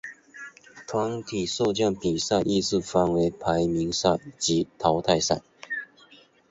团体射箭比赛亦是分为排名赛及淘汰赛。